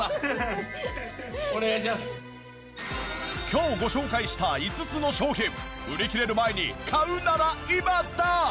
今日ご紹介した５つの商品売り切れる前に買うならイマダ！